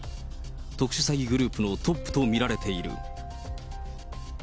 特殊詐欺グループのトップと見られている。